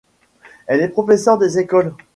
Elle est professeur des écoles.